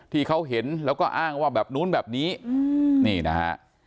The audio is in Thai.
ที่เขาเห็นแล้วก็อ้างว่าแบบนู้นแบบนี้นี่นะฮะ